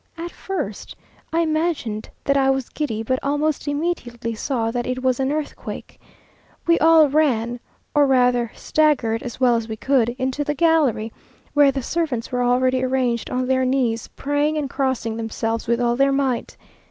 At first, I imagined that I was giddy, but almost immediately saw that it was an earthquake. We all ran, or rather staggered as well as we could, into the gallery, where the servants were already arranged on their knees, praying and crossing themselves with all their might.